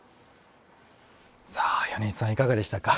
米二さん、いかがでしたか。